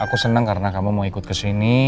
dan aku juga seneng karena kamu mau ikut kesini